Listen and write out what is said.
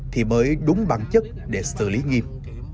thì mới đúng bản chất để xử lý nghiêm